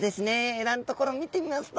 エラんところ見てみますと。